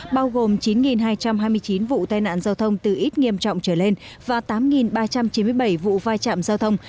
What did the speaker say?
bao gồm chín hai trăm hai mươi chín vụ tai nạn giao thông từ ít nghiêm trọng trở lên và tám ba trăm chín mươi bảy vụ vai trạm giao thông